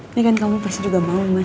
ini kan kamu pasti juga mau mas